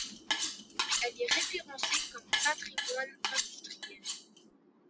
Elle est référencée comme patrimoine industriel.